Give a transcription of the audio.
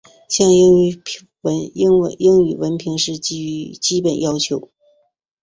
像英语文凭是基本要求。